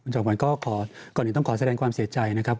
จอมขวัญก็ขอก่อนอื่นต้องขอแสดงความเสียใจนะครับ